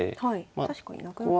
確かになくなってる。